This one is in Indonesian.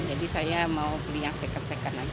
jadi saya mau beli yang second second saja